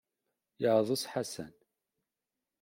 Yeɛḍes Ḥasan.